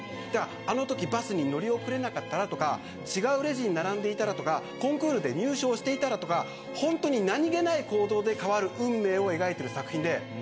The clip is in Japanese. あのときバスに乗り遅れなかったらとか違うレジに並んでいたらとかコンクールで入賞していたらとか本当に何気ない行動で変わる運命を描いている作品で。